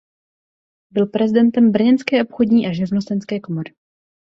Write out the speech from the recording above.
Byl prezidentem brněnské obchodní a živnostenské komory.